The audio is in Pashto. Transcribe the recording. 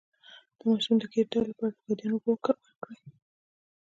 د ماشوم د ګیډې درد لپاره د بادیان اوبه ورکړئ